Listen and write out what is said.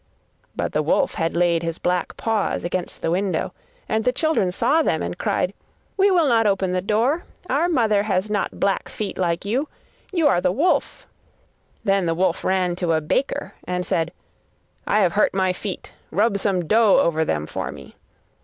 But the wolf had laid his black paws against the window, and the children saw them and cried: 'We will not open the door, our mother has not black feet like you: you are the wolf!' Then the wolf ran to a baker and said: 'I have hurt my feet, rub some dough over them for me.